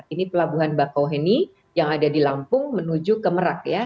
ini pelabuhan bakauheni yang ada di lampung menuju ke merak ya